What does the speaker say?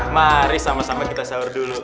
mari sama sama kita sahur dulu